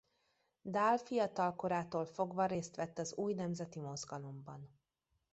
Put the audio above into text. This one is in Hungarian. Dahl fiatal korától fogva részt vett az új nemzeti mozgalomban.